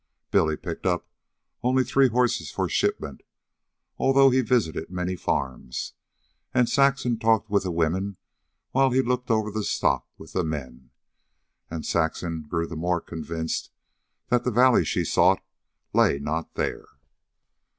Billy picked up only three horses for shipment, although he visited many farms; and Saxon talked with the women while he looked over the stock with the men. And Saxon grew the more convinced that the valley she sought lay not there.